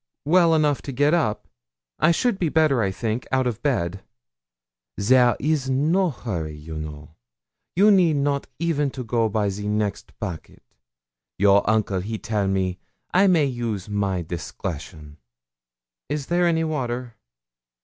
'Well enough to get up; I should be better, I think, out of bed.' 'There is no hurry, you know; you need not even go by the next packet. Your uncle, he tell me, I may use my discretion.' 'Is there any water?'